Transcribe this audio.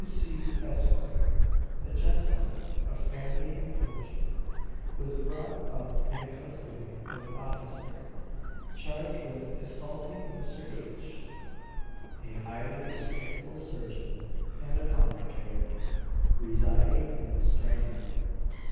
W. C., Esq., a gentleman of family and fortune, was brought up in custody of an officer, charged with assaulting Mr. H., a highly respectable surgeon and apothecary, residing in the Strand.